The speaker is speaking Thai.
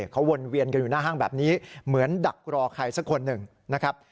เขาวนเวียนกันอยู่หน้าห้างแบบนี้เหมือนดักรอใครสักคนหนึ่งนะครับ